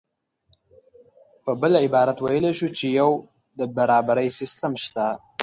په بل عبارت ویلی شو چې یو د برابرۍ سیستم شته